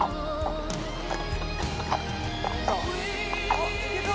あっいけた。